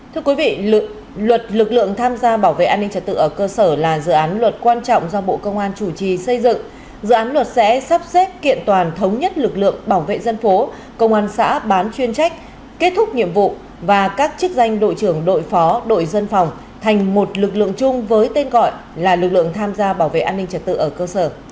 lực lượng tham gia bảo vệ an ninh trật tự ở cơ sở là dự án luật quan trọng do bộ công an chủ trì xây dựng dự án luật sẽ sắp xếp kiện toàn thống nhất lực lượng bảo vệ dân phố công an xã bán chuyên trách kết thúc nhiệm vụ và các chức danh đội trưởng đội phó đội dân phòng thành một lực lượng chung với tên gọi là lực lượng tham gia bảo vệ an ninh trật tự ở cơ sở